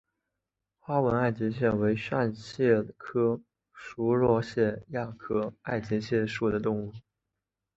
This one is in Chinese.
花纹爱洁蟹为扇蟹科熟若蟹亚科爱洁蟹属的动物。